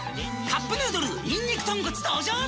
「カップヌードルにんにく豚骨」登場！